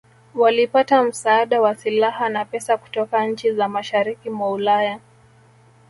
Walipata msaada wa silaha na pesa kutoka nchi za mashariki mwa Ulaya